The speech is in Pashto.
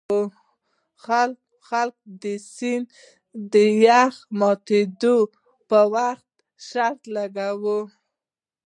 خلک د سیند د یخ ماتیدو په وخت شرط لګوي